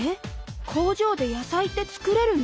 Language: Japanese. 工場で野菜って作れるの？